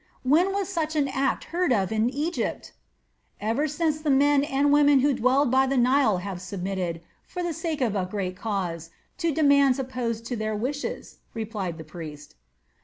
When was such an act heard of in Egypt?" "Ever since the men and women who dwell by the Nile have submitted, for the sake of a great cause, to demands opposed to their wishes," replied the priest.